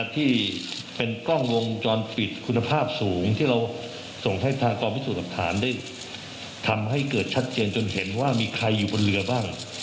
ที่เป็นกล้องวงจรปิดคุณภาพสูงที่เราส่งให้ทางกองพิสูจน์หลักฐานได้ทำให้เกิดชัดเจนจนเห็นว่ามีใครอยู่บนเรือบ้าง